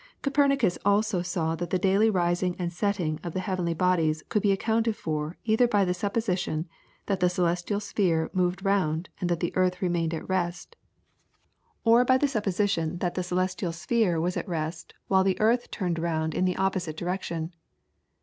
Copernicus also saw that the daily rising and setting of the heavenly bodies could be accounted for either by the supposition that the celestial sphere moved round and that the earth remained at rest, or by the supposition that the celestial sphere was at rest while the earth turned round in the opposite direction.